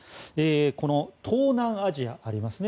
この東南アジアがありますね。